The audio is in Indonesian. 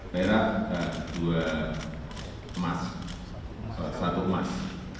perak ada dua emas satu emas